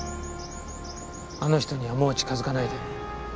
あの人にはもう近づかないで。